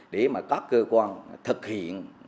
để mà các cơ quan thực hiện